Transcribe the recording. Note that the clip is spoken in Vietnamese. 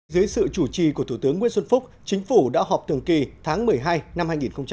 dưới sự chủ trì của thủ tướng nguyễn xuân phúc chính phủ đã họp thường kỳ tháng một mươi hai năm hai nghìn một mươi chín